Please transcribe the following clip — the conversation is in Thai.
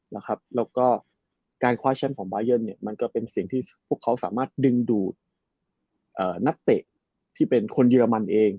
แล้วก็การคว้าแชมป์ของบายันเนี่ยมันก็เป็นสิ่งที่พวกเขาสามารถดึงดูดนักเตะที่เป็นคนเยอรมันเอง